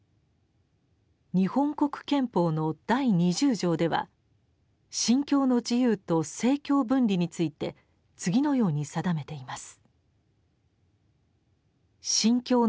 「日本国憲法」の第二十条では「信教の自由」と「政教分離」について次のように定めています。